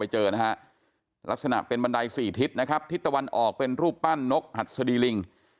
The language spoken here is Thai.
เจอนะฮะลักษณะเป็นบันไดสี่ทิศนะครับทิศตะวันออกเป็นรูปปั้นนกหัดสดีลิง